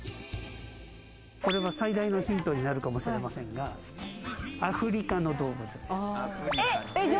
これは最大のヒントになるかもしれませんが、アフリカの動物です。